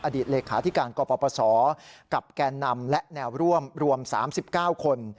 เลขาธิการกปศกับแก่นำและแนวร่วมรวม๓๙คน